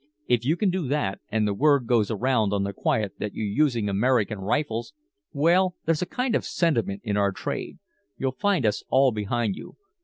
If you can do that, and the word goes around on the quiet that you're using American rifles well, there's a kind of a sentiment in our trade you'll find us all behind you.